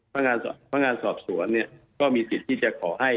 พนักงานสอบสวนเนี่ยก็มีสิทธิ์ที่จะขอให้